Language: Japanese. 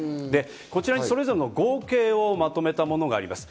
こちらにそれぞれの合計をまとめたものがあります。